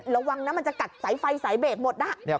ระวังนะมันจะกัดสายไฟสายเบรกหมด